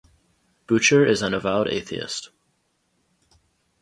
Boucher is an avowed atheist.